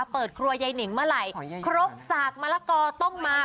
เปิดครัวยายนิงเมื่อไหร่ครกสากมะละกอต้องมา